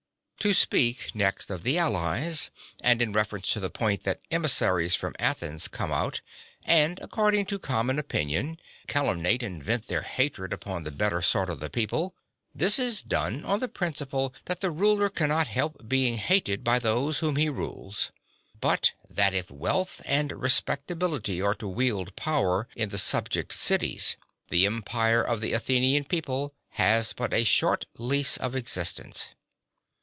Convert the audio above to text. s.v. To speak next of the allies, and in reference to the point that emissaries (33) from Athens come out, and, according to common opinion, calumniate and vent their hatred (34) upon the better sort of people, this is done (35) on the principle that the ruler cannot help being hated by those whom he rules; but that if wealth and respectability are to wield power in the subject cities the empire of the Athenian People has but a short lease of existence.